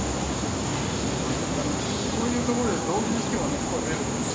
こういうところで胴切りしても根っこは出るんですよ。